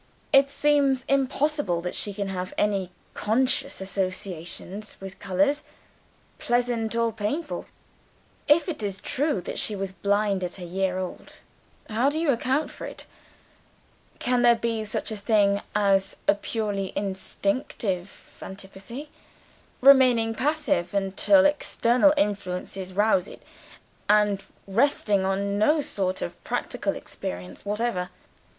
It seems impossible that she can have any conscious associations with colors, pleasant or painful if it is true that she was blind at a year old. How do you account for it? Can there be such a thing as a purely instinctive antipathy; remaining passive until external influences rouse it; and resting on no sort of practical experience whatever?"